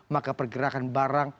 maka pergerakan barang